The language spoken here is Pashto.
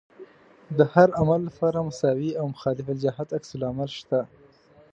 د هر عمل لپاره مساوي او مخالف الجهت عکس العمل شته.